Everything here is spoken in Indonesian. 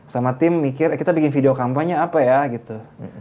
sama tim mikir kita bikin video kampanye apa ya gitu